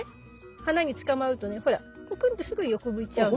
花につかまるとねほらコクンってすぐ横向いちゃうの。